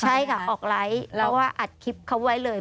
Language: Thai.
ใช่ค่ะออกไลค์เพราะว่าอัดคลิปเขาไว้เลย